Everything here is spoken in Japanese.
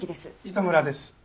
糸村です。